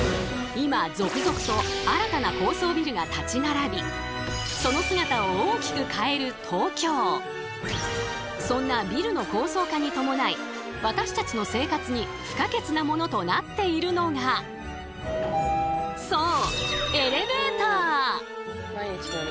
今続々と新たな高層ビルが立ち並びそんなビルの高層化に伴い私たちの生活に不可欠なものとなっているのがそう！